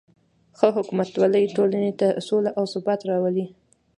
ښه حکومتولي ټولنې ته سوله او ثبات راولي.